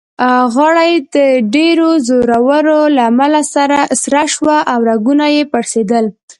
غاړه يې د ډېر زوره له امله سره شوه او رګونه يې پړسېدل.